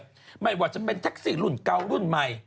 ไม่ว่าจะเป็นแท็กซี่รุ่นเก่ารุ่นใหม่